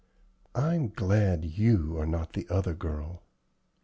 I'm glad you are not the other girl."